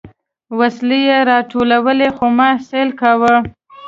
وسلې يې راټولولې خو ما سيل کاوه.